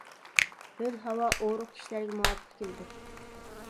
ھۆل ھاۋا ئورۇق كىشىلەرگە مۇۋاپىق كېلىدۇ.